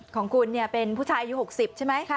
ของคุณเป็นผู้ชายอายุ๖๐ใช่ไหม